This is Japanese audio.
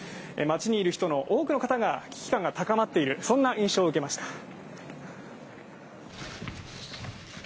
街にいる人の多くの方が危機感が高まっているそんな印象を受けました。